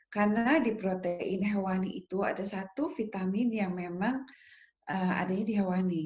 karena di protein hewani itu ada satu vitamin yang memang ada di hewani